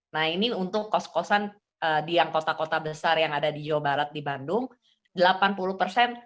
nah ini untuk kos kosan di yang kota kota besar yang ada di jawa barat di bandung delapan puluh persen